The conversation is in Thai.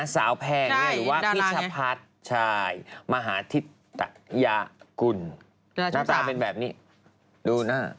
แพงหรือว่าพิชพัฒน์มหาธิตยากุลน้ำตาเป็นแบบนี้ดูหน้า